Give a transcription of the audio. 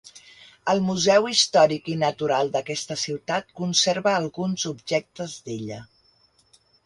El Museu Històric i Natural d'aquesta ciutat conserva alguns objectes d'ella.